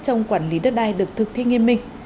trong quản lý đất đai được thực thi nghiêm minh